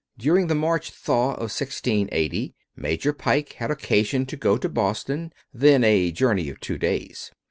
During the March thaw of 1680, Major Pike had occasion to go to Boston, then a journey of two days.